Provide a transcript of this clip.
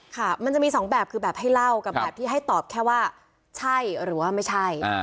ค่ะมันจะมีสองแบบคือแบบให้เล่ากับแบบที่ให้ตอบแค่ว่าใช่หรือว่าไม่ใช่